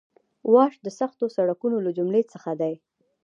واش د سختو سړکونو له جملې څخه دی